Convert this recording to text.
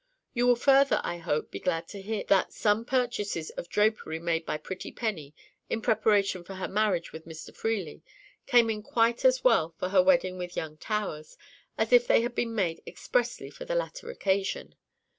You will further, I hope, be glad to hear, that some purchases of drapery made by pretty Penny, in preparation for her marriage with Mr. Freely, came in quite as well for her wedding with young Towers as if they had been made expressly for the latter occasion.